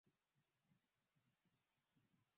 ama nje ya bara la afrika